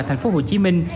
thành phố hồ chí minh